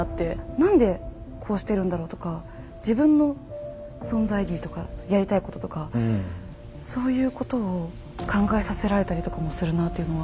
何でこうしてるんだろうとか自分の存在意義とかやりたいこととかそういうことを考えさせられたりとかもするなあというのは。